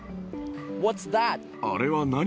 あれは何？